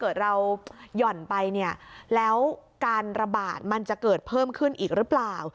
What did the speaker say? เกิดเราหย่อนไปเนี่ยแล้วการระบาดมันจะเกิดเพิ่มขึ้นอีกหรือเปล่า